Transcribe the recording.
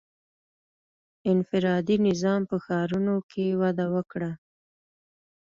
• انفرادي نظام په ښارونو کې وده وکړه.